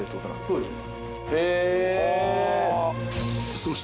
そうですね。へ。